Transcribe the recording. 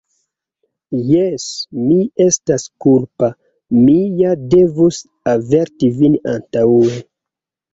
Jes, mi estas kulpa; mi ja devus averti vin antaŭe.